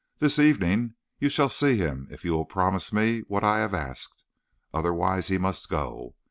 This evening you shall see him if you will promise me what I have asked. Otherwise he must go.